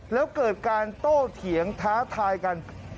แล้วเกิดการโต้เถียงท้าทายกัน